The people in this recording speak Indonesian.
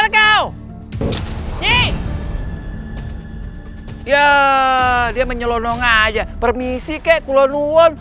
the menonong obec urbisike pulau nuwung